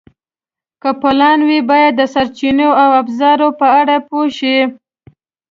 که پلان وي، باید د سرچینو او ابزارو په اړه پوه شئ.